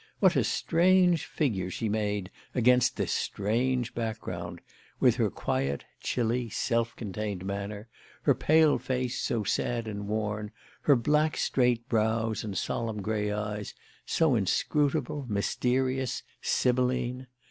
What a strange figure she made against this strange background, with her quiet, chilly, self contained manner, her pale face, so sad and worn, her black, straight brows and solemn grey eyes, so inscrutable, mysterious, Sibylline.